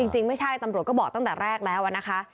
จริงไม่ใช่ตำรวจก็บอกตั้งแต่แรกแล้วนะคะ